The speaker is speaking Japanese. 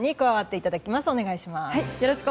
お願いします。